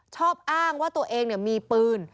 ชอบอ้างว่าตัวเองมีปืน